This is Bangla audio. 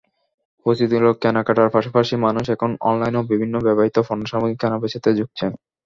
প্রচলিত কেনা-কাটার পাশাপাশি মানুষ এখন অনলাইনেও বিভিন্ন ব্যবহূত পণ্য সামগ্রী কেনা-বেচাতে ঝুঁকছেন।